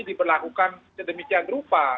diberlakukan sedemikian rupa